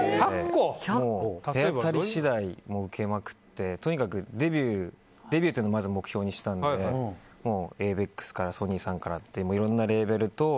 手当たり次第受けまくってとにかくデビューというのをまず目標にしてたのでエイベックスからソニーさんからっていろんなレーベルと。